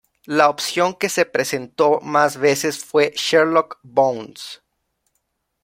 La opción que se presentó más veces fue "Sherlock Bones".